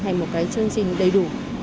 thành một cái chương trình đầy đủ